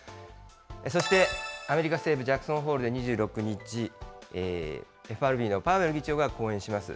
そして、アメリカ西部ジャクソンホールで２６日、ＦＲＢのパウエル議長が講演します。